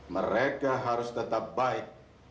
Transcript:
mereka harus tetap baik